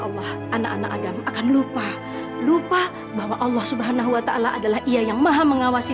allah anak anak adam akan lupa lupa bahwa allah swt adalah ia yang maha mengawasi